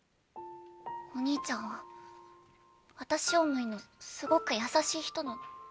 お兄ちゃんは私思いのすごく優しい人なの。